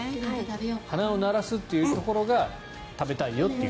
鼻を鳴らすというところが食べたいよという。